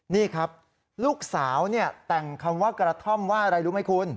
นี่ครับลูกสาวเนี่ยแต่งคำว่ากระท่อมว่าอะไรรู้ไหมคุณ